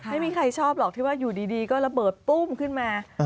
ไม่มีใครชอบหรอกที่ว่าอยู่ดีก็ระเบิดปุ้มขึ้นมา